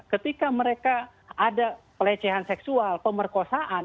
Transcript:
ketika mereka ada pelecehan seksual pemerkosaan